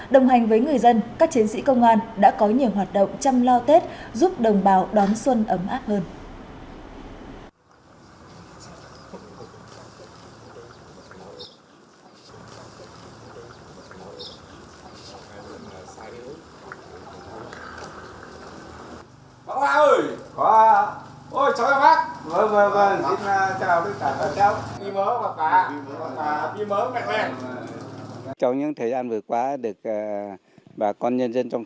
đồng hành với người dân các chiến sĩ công an đã có nhiều hoạt động chăm lo tết giúp đồng bào đón xuân ấm áp hơn